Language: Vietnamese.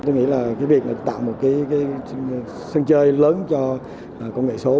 tôi nghĩ là cái việc này tạo một cái sân chơi lớn cho công nghệ số bốn